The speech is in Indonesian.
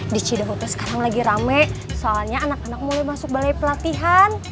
di cidepote sekarang lagi rame soalnya anak anak mulai masuk balai pelatihan